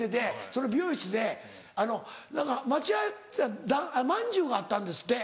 その美容室であの何かまんじゅうがあったんですって。